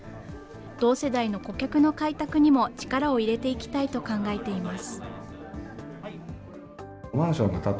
同世代の顧客の開拓にも力を入れていきたいと考えています。